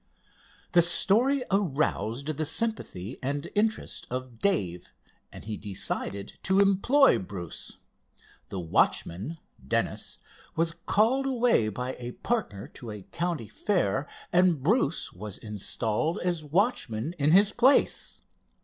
This story aroused the sympathy and interest of Dave, and he decided to employ Bruce. The watchman, Dennis, was called away by a partner to a country fair and Bruce was installed as watchman in his place.